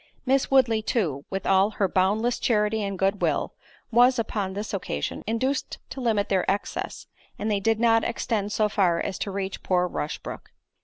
Miss Woodley, too, with all her boundless charity and good will, was, upon this occasion, induced to limit their excess; and they did not extend so far as to reach poor Rushbrook.